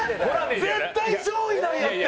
絶対上位なんだって！